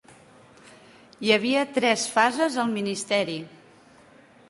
Hi havia tres fases al ministeri.